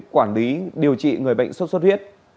quản lý điều trị người bệnh sốt xuất huyết